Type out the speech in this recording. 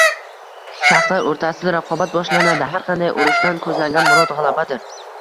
– shaxslar o‘rtasida raqobat boshlanadi. Har qanday urushdan ko‘zlangan murod g‘alabadir;